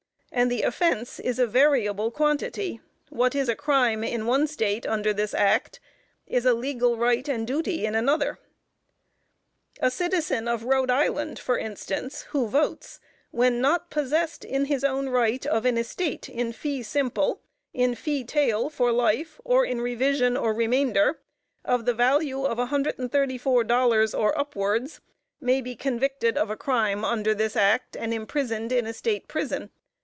And the offense is a variable quantity; what is a crime in one State under this Act, is a legal right and duty in another. A citizen of Rhode Island, for instance, who votes when not possessed in his own right, of an estate in fee simple in fee tail, for life, or in reversion or remainder, of the value of $134 or up wards, may be convicted of a crime under this Act, and imprisoned in a State Prison.